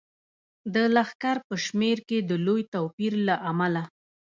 د لښکر په شمیر کې د لوی توپیر له امله.